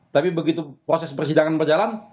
tapi begitu proses persidangan berjalan